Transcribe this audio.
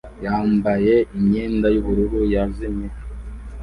yambaye imyenda yubururu yazimye.